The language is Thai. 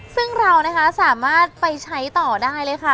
ซึ่งเรานะคะสามารถไปใช้ต่อได้เลยค่ะ